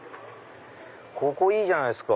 ここいいじゃないっすか。